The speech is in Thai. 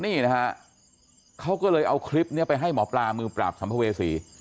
นี่นะฮะเขาก็เลยเอาคลิปนี้ไปให้หมอปลามือปราบสัมภเวษี